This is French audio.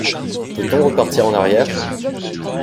Peut-on repartir en arrière?